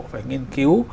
phải nghiên cứu